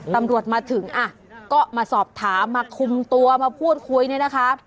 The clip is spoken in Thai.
ตำรวจมาถึงอ่ะก็มาสอบถามมาคุมตัวมาพูดคุยเนี่ยนะคะ